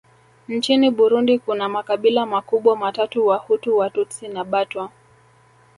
Nchini Burundi kuna makabila makubwa matatu Wahutu Watutsi na Batwa